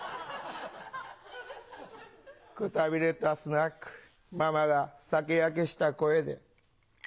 くたびれたスナックママが酒やけした声で。